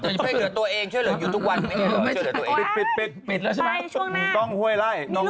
ดาตรีโฮยเดือดตัวเองเขื่อเหลือง